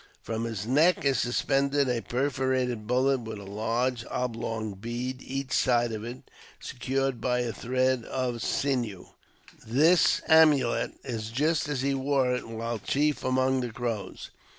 From his neck is suspended a perforated bullet, with a large oblong bead each side of it, secured by a thread of sinew ; this amulet is just as he wore it while chief among the Crows.